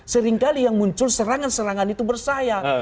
seringkali yang muncul serangan serangan itu bersaya